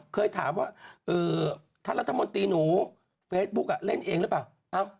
เคยถามว่าท่านรัฐมนตรีหนูเฟซบุ๊กเล่นเองหรือเปล่า